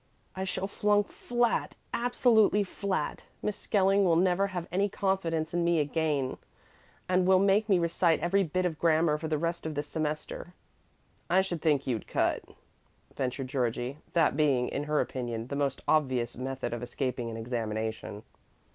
"I shall flunk flat absolutely flat. Miss Skelling will never have any confidence in me again, and will make me recite every bit of grammar for the rest of the semester." "I should think you'd cut," ventured Georgie that being, in her opinion, the most obvious method of escaping an examination.